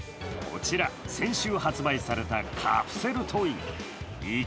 こちら、先週発売されたカプセルトイ。